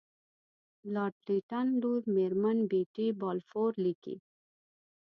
لارډ لیټن لور میرمن بیټي بالفور لیکي.